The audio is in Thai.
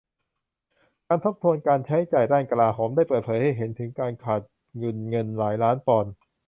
การทบทวนการใช้จ่ายด้านกลาโหมได้เผยให้เห็นถึงการขาดดุลเงินหลายล้านปอนด์